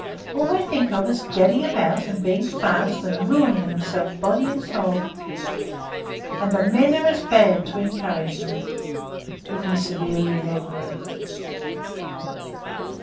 All they think of is gadding about and being fast, and ruining themselves body and soul. And the men are as bad to encourage them," looking severely at Everard.